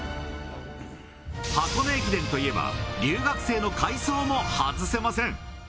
箱根駅伝といえば、留学生の快走も外せません。